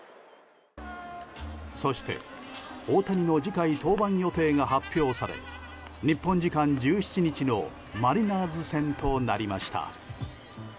そして、大谷の次回登板予定が発表され日本時間１７日のマリナーズ戦となりました。